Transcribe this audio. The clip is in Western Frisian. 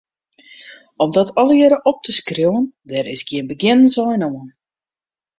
Om dat allegearre op te skriuwen, dêr is gjin begjinnensein oan.